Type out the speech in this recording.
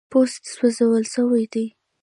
پوستې سوځول سوي دي.